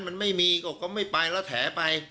มันไม่มีก็ไม่ไปแล้วแถไป